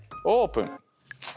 オープン。